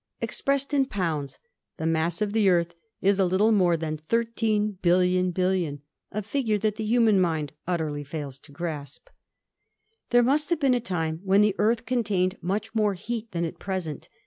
Expressed in pounds, the mass of the Earth is a little more than 13 billion billion, a figure that the human mind utterly fails to grasp. There must have been a time when the Earth contained much more heat than at present.